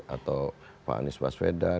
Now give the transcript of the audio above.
atau pak anies baswedan